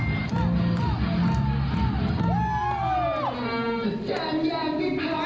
ในวันนี้ก็เป็นการประเดิมถ่ายเพลงแรก